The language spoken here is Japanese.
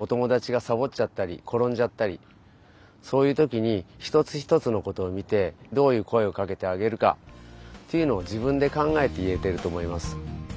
お友だちがさぼっちゃったりころんじゃったりそういうときにひとつひとつのことをみてどういう声をかけてあげるかっていうのを自分でかんがえていえてるとおもいます。